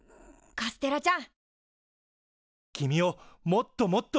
カステラじゃん。